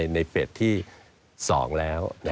ในเฟสที่๒แล้ว